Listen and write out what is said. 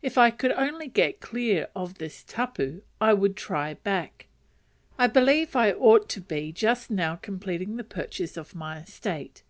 If I could only get clear of this tapu I would "try back." I believe I ought to be just now completing the purchase of my estate.